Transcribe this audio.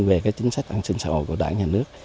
về chính sách an sinh xã hội của đảng nhà nước